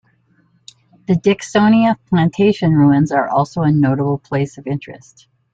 The Dicksonia Plantation ruins are also a notable place of interest.